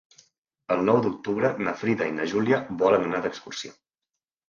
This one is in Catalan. El nou d'octubre na Frida i na Júlia volen anar d'excursió.